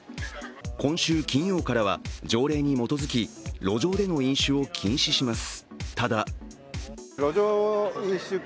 今週金曜からは条例に基づき、路上での飲酒を禁止します。